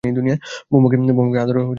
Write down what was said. বৌমাকে আদর ও স্নেহমুম্বন দিবে।